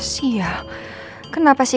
sial kenapa sih